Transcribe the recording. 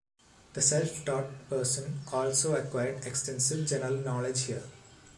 The self-taught person also acquired extensive general knowledge here.